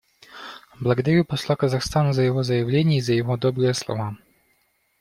Благодарю посла Казахстана за его заявление и за его добрые слова.